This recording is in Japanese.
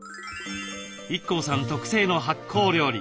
ＩＫＫＯさん特製の発酵料理。